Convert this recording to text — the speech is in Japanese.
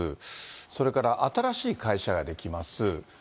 それから新しい会社が出来ます。